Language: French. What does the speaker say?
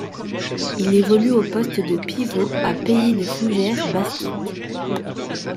Il évolue au poste de pivot à Pays de Fougères basket.